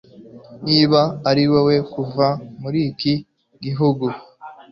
niba ari wowe, kuva muri iki gihugu